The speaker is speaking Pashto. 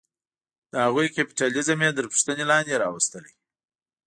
د هغوی کیپیټالیزم یې تر پوښتنې لاندې راوستلې.